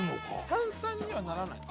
炭酸にはならないの？